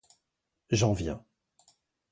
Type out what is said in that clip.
J'en viens.